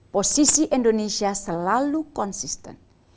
posisi indonesia selalu konsisten